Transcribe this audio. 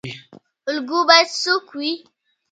الګو باید څوک وي؟